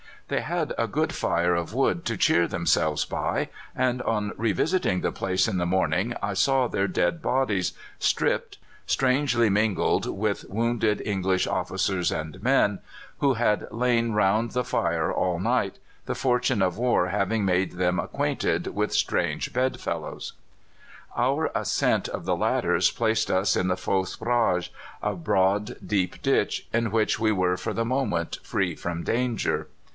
"They had a good fire of wood to cheer themselves by, and on revisiting the place in the morning, I saw their dead bodies, stripped, strangely mingled with wounded English officers and men, who had lain round the fire all night, the fortune of war having made them acquainted with strange bed fellows. "Our ascent of the ladders placed us in the Fausse Brage a broad, deep ditch in which we were for the moment free from danger.